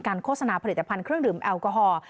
โฆษณาผลิตภัณฑ์เครื่องดื่มแอลกอฮอล์